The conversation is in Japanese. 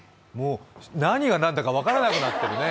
何が何だか分からなくなってるね。